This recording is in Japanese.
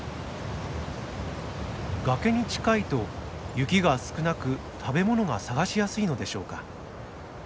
崖に近いと雪が少なく食べ物が探しやすいのでしょうか。